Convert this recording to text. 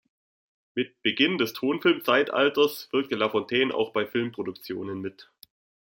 Mit Beginn des Tonfilmzeitalters wirkte Lafontaine auch bei Filmproduktionen mit.